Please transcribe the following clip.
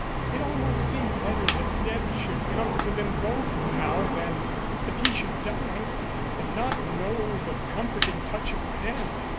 It almost seemed better that death should come to them both now than that he should die and not know the comforting touch of her hand.